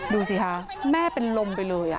ดูสิคะแม่เป็นลมไปเลย